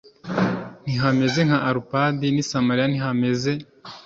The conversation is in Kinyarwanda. ntihameze nka arupadi n i samariya ntihameze